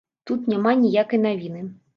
Тут няма ніякай навіны.